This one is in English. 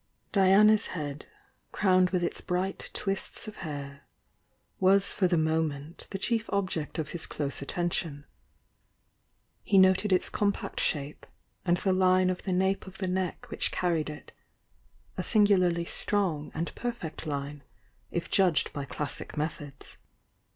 Diana's head, crowned with its bright twists of hair, was for the moment the chief object of his close attention, — he noted its compact shape, and the line of the nape of the neck which carried it — a singu larly strong and perfect line, if judged by classic metiiods.